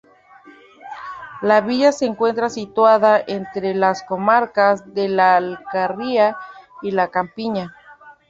La villa se encuentra situada entre las comarcas de la Alcarria y la Campiña.